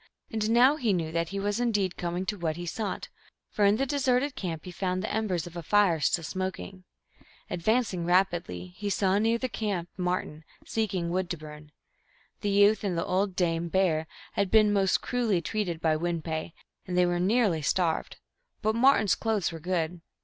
And now he knew that he was indeed coming to what he sought, for in the deserted camp he found the embers of a fire, still smoking. Ad vancing rapidly, he saw near the next camp Martin, seeking wood to burn. The youth and the old Dame Bear had been most cruelly treated by Win pe, and they were nearly starved, but Martin s clothes were good.